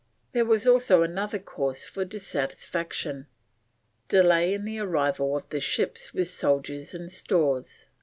There was also further cause for dissatisfaction, delay in the arrival of the ships with soldiers and stores.